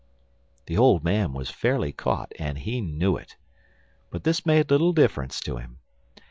The old man was fairly caught and he knew it; but this made little difference to him.